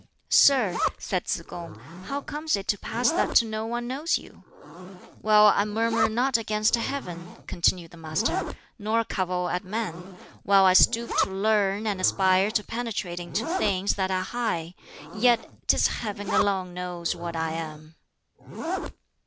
"Sir," said Tsz kung, "how comes it to pass that no one knows you?" "While I murmur not against Heaven," continued the Master, "nor cavil at men; while I stoop to learn and aspire to penetrate into things that are high; yet 'tis Heaven alone knows what I am."